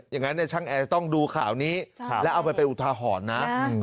อย่างนั้นช่างแอร์จะต้องดูข่าวนี้แล้วเอาไปเป็นอุทาหรณ์นะ